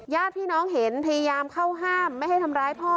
ญาติพี่น้องเห็นพยายามเข้าห้ามไม่ให้ทำร้ายพ่อ